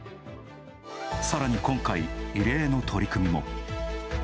さらに今回、異例の取り組みも。